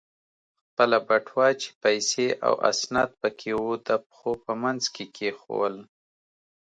خپله بټوه چې پیسې او اسناد پکې و، د پښو په منځ کې کېښوول.